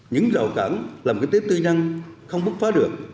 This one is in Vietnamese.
những rậu cản làm kinh tế tư năng không bức phá được